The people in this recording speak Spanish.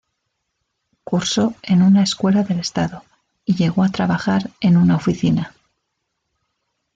Cursó en una escuela del Estado y llegó a trabajar en una oficina.